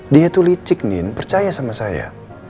dia itu licik nin percaya sama saya